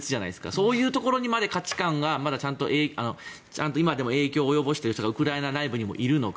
そういうところにまで価値観がまだちゃんと今でも影響を及ぼしている人がウクライナ内部にもいるのか。